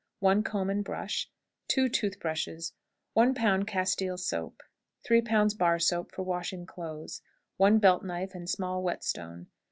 1 comb and brush. 2 tooth brushes. 1 pound Castile soap. 3 pounds bar soap for washing clothes. 1 belt knife and small whetstone.